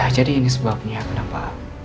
jadi ini sebabnya kenapa